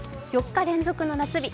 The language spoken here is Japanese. ４日連続の夏日